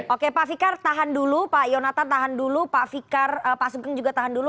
oke pak fikar tahan dulu pak yonatan tahan dulu pak fikar pak sugeng juga tahan dulu